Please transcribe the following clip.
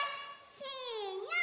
せの。